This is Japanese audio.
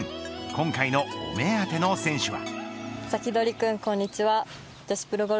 今回のお目当ての選手は。